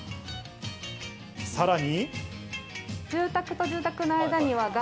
さらに。